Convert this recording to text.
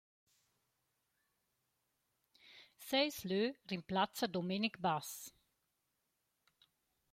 Seis lö rimplazza Domenic Bass.